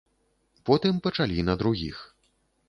Потым пачалі на другіх.